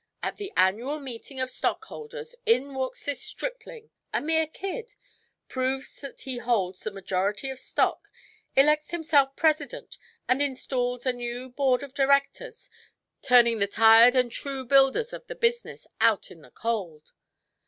At the annual meeting of stockholders in walks this stripling a mere kid proves that he holds the majority of stock, elects himself president and installs a new board of directors, turning the tired and true builders of the business out in the cold.